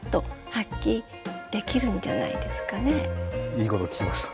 いいこと聞きました。